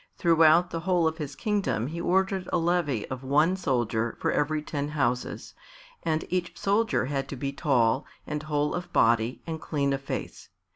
Throughout the whole of his kingdom he ordered a levy of one soldier for every ten houses, and each soldier had to be tall and whole of body and clean of face.